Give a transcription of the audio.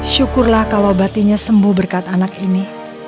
syukurlah kalau batinya sembuh berkat anak ini